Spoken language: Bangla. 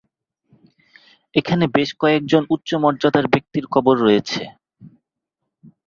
এখানে বেশ কয়েকজন উচ্চ মর্যাদার ব্যক্তির কবর রয়েছে।